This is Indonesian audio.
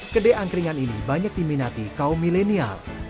kedai angkringan ini banyak diminati kaum milenial